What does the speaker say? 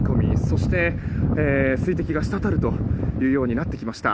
そして、水滴が滴るというようになってきました。